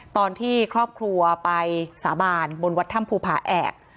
ตอนที่ครอบครัวไปสาบานบนวัดถ้ำภูผาแอก